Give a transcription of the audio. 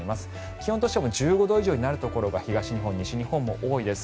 気温としても１５度以上になるところが多いです。